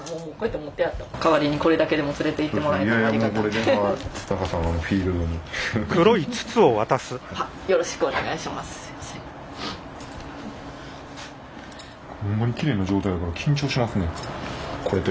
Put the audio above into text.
代わりに、これだけでも連れていってもらえると。